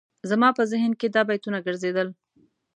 زما په ذهن کې دا بیتونه ګرځېدل.